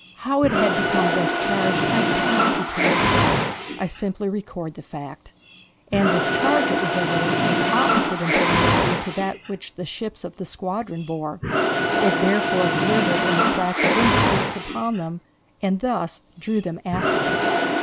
How it had become thus charged I cannot pretend to say. I simply record the fact. And this charge, it was evident, was opposite in polarity to that which the ships of the squadron bore. It therefore exerted an attractive influence upon them and thus drew them after it.